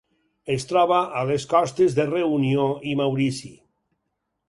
Es troba a les costes de Reunió i Maurici.